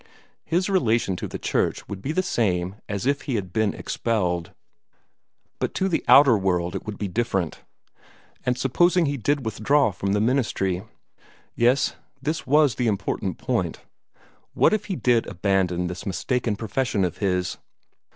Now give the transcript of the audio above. His relation to the church would be the same as if he had been expelled, but to the outer world it would be different. And supposing he did withdraw from the ministry? Yes; this was the important point. What if he did abandon this mistaken profession of his?